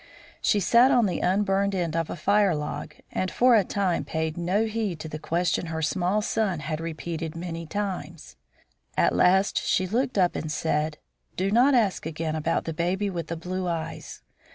She sat on the unburned end of a fire log and for a time paid no heed to the question her small son had repeated many times. At last she looked up and said: "Do not ask again about the baby with the blue eyes.